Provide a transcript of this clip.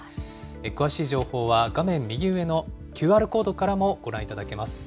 詳しい情報は、画面右上のＱＲコードからもご覧いただけます。